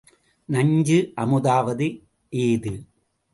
நஞ்சு, அமுதாவது ஏது?